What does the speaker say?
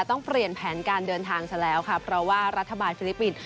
ต้องเปลี่ยนแผนการเดินทางซะแล้วค่ะเพราะว่ารัฐบาลฟิลิปปินส์